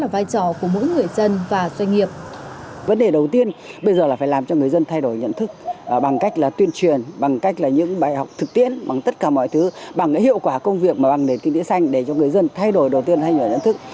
vấn đề đầu tiên bây giờ là phải làm cho người dân thay đổi nhận thức bằng cách là tuyên truyền bằng cách là những bài học thực tiễn bằng tất cả mọi thứ bằng cái hiệu quả công việc mà bằng nền kinh tế xanh để cho người dân thay đổi đầu tiên thay đổi nhận thức